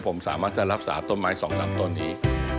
ผมสามารถจะรักษาต้นไม้สองสามตัวนี้